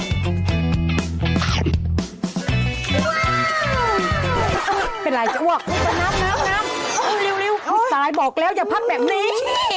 ว้าวเป็นไรจ๊ะว่ะน้ำเร็วตายบอกแล้วอย่าพับแบบนี้